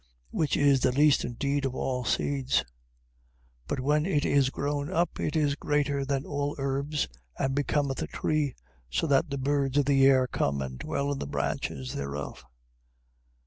13:32. Which is the least indeed of all seeds; but when it is grown up, it is greater than all herbs, and becometh a tree, so that the birds of the air come, and dwell in the branches thereof.